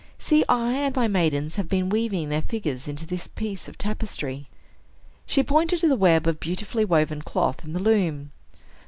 See, I and my maidens have been weaving their figures into this piece of tapestry." She pointed to the web of beautifully woven cloth in the loom.